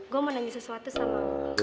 gue mau nanya sesuatu sama